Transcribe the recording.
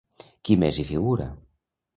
Qui més hi figura?